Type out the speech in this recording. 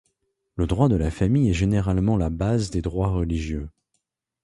Le droit de la famille est généralement la base des droits religieux.